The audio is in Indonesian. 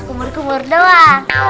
kumur kumur doang